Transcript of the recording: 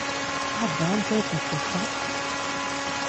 Kāda velna pēc viņš to saka?